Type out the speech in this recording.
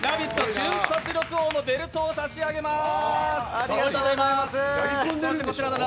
瞬発力王のベルトを差し上げます。